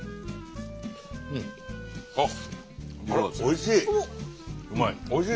あっおいしい！